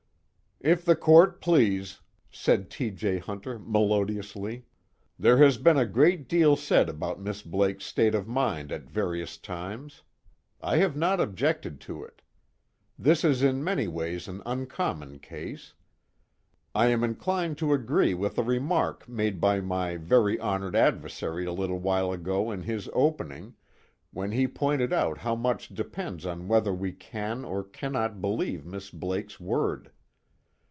"If the Court please," said T. J. Hunter melodiously, "there has been a great deal said about Miss Blake's state of mind at various times. I have not objected to it. This is in many ways an uncommon case. I am inclined to agree with a remark made by my very honored adversary a little while ago in his opening, when he pointed out how much depends on whether we can or cannot believe Miss Blake's word.